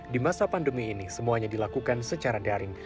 di masa pandemi ini semuanya dilakukan secara daring